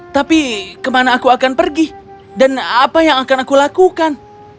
tapi kemana aku akan pergi dan apa yang akan aku lakukan